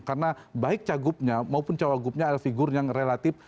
karena baik cagupnya maupun cawagupnya adalah figur yang relatif